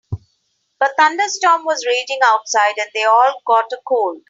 A thunderstorm was raging outside and they all got a cold.